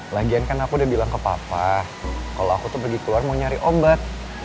lagian kan aku udah bilang ke papa kalau aku tuh pergi keluar mau nyari obat